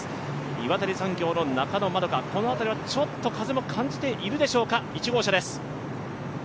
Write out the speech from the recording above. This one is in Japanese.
岩谷産業の中野円花、この辺りはちょっと風も感じ始めているでしょうか。